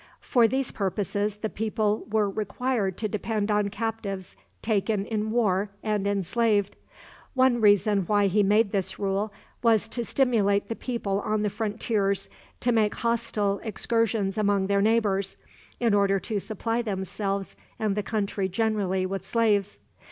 For these purposes the people were required to depend on captives taken in war and enslaved. One reason why he made this rule was to stimulate the people on the frontiers to make hostile excursions among their neighbors, in order to supply themselves and the country generally with slaves.